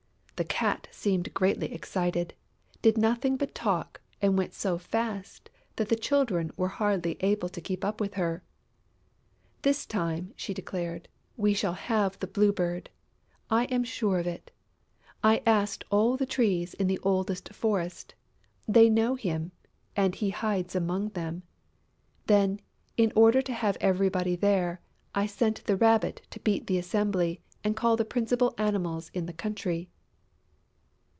The Cat seemed greatly excited, did nothing but talk and went so fast that the children were hardly able to keep up with her: "This time," she declared, "we shall have the Blue Bird, I am sure of it! I asked all the Trees in the very oldest forest; they know him, because he hides among them. Then, in order to have everybody there, I sent the Rabbit to beat the assembly and call the principal Animals in the country."